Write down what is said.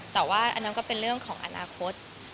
แต่ว่าอันนั้นก็เป็นเรื่องของอนาคต